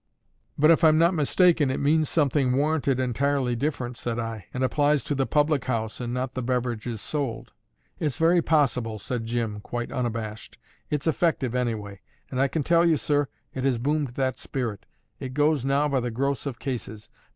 "But if I'm not mistaken, it means something Warranted Entirely different," said I, "and applies to the public house, and not the beverages sold." "It's very possible," said Jim, quite unabashed. "It's effective, anyway; and I can tell you, sir, it has boomed that spirit: it goes now by the gross of cases.